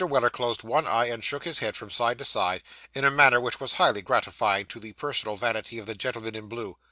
Weller closed one eye, and shook his head from side to side, in a manner which was highly gratifying to the personal vanity of the gentleman in blue.